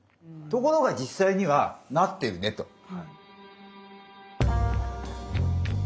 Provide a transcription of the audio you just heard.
ところが実際にはなってるねと。